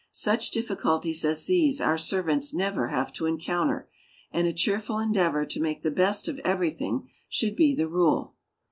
Such difficulties as these our servants never have to encounter, and a cheerful endeavor to make the best of everything should be the rule.